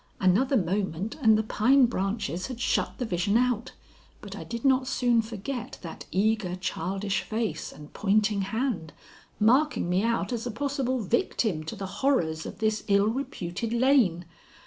Another moment and the pine branches had shut the vision out, but I did not soon forget that eager, childish face and pointing hand, marking me out as a possible victim to the horrors of this ill reputed lane.